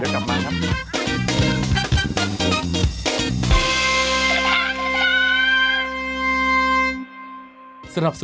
ดื่มน้ำก่อนสักนิดใช่ไหมคะคุณพี่